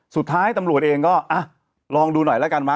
สุดท้ายตำรวจเองก็ลองดูหน่อยแล้วกันมั